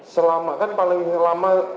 selama kan paling lama